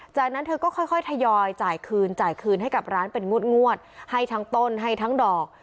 จากนั้นเธอก็ค่อยทยอยจ่ายคืนจ่ายคืนให้กับร้านเป็นงวดให้ทั้งต้นให้ทั้งดอก